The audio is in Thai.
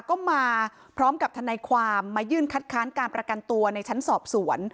ก็มาพร้อมกับทนายความมายื่นคัดค้านการประกันตัวในชั้นสอบสวน